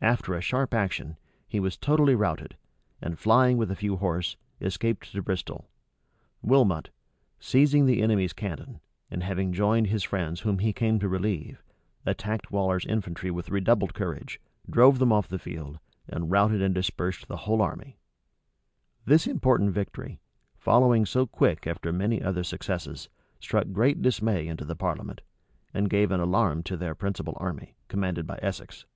After a sharp action, he was totally routed, and flying with a few horse, escaped to Bristol. Wilmot, seizing the enemy's cannon, and having joined his friends whom he came to relieve, attacked Waller's infantry with redoubled courage, drove them off the field, and routed and dispersed the whole army.[*] * Rush. vol. vi. p. 285. Clarendoo. vol. iii. p. 29l. This important victory, following so quick after many other successes, struck great dismay into the parliament, and gave an alarm to their principal army, commanded by Essex.